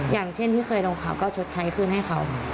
อย่างเช่นที่เคยลงข่าวก็ชดใช้คืนให้เขา